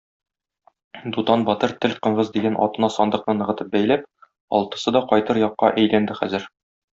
Дутан батыр Тел-Коңгыз дигән атына сандыкны ныгытып бәйләп, алтысы да кайтыр якка әйләнде хәзер.